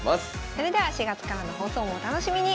それでは４月からの放送もお楽しみに。